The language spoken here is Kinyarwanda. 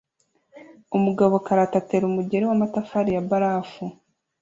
Umugabo karate atera umugeri wamatafari ya barafu